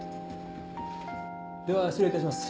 では失礼いたします。